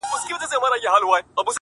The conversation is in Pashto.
مرگه د هغه خوب تعبير چي په لاسونو کي دی_